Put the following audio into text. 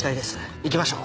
行きましょう。